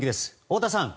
太田さん。